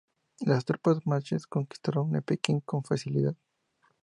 Las tropas manchúes conquistaron Pekín con facilidad.